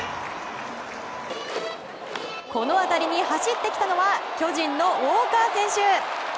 この当たりに走ってきたのは巨人のウォーカー選手。